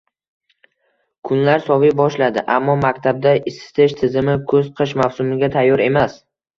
Kunlar soviy boshladi, ammo maktabda isitish tizimi kuz-qish mavsumiga tayyor emas